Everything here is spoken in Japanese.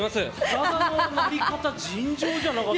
体のなり方尋常じゃなかった。